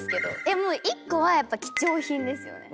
１個はやっぱ貴重品ですよね。